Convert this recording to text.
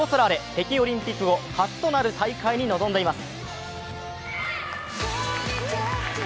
北京オリンピック後初となる大会に臨んでいます。